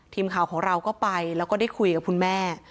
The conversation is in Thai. ทีมข่าวของเราก็ไปแล้วก็ได้คุยกับคุณแม่